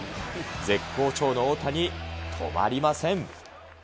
絶好調の大谷、止まりません。